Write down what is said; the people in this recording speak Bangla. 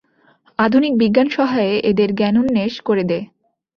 আধুনিক বিজ্ঞানসহায়ে এদের জ্ঞানোন্মেষ করে দে।